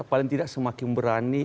paling tidak semakin berani